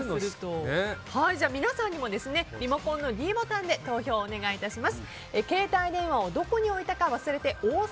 皆さんにもリモコンのｄボタンで投票をお願いいたします。